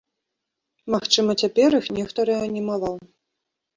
Магчыма, цяпер іх нехта рэанімаваў.